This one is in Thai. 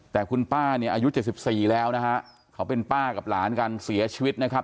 แต่คุณป้าเนี่ยอายุ๗๔แล้วนะฮะเขาเป็นป้ากับหลานกันเสียชีวิตนะครับ